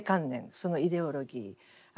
そのイデオロギー。